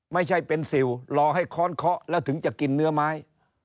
ไม่ใช่เป็นสิวรอให้ค้อนเคาะแล้วถึงจะกินเนื้อไม้